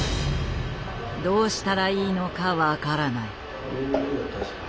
どうしたらいいのか分からない。